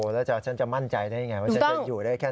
แล้วฉันจะมั่นใจได้ยังไงว่าฉันจะอยู่ได้แค่